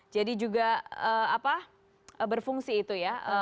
jadi juga berfungsi itu ya